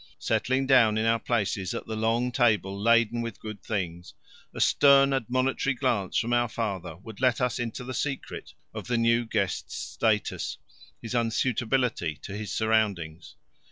Settling down in our places at the long table laden with good things, a stern admonitory glance from our father would let us into the secret of the new guest's status his unsuitability to his surroundings.